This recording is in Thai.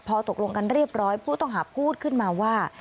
พอตกลงกันเรียบร้อยผู้ต้องหาพูดขึ้นมาว่า